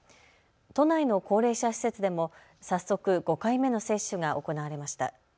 都内の高齢者施設でも早速、５回目の接種が行われました。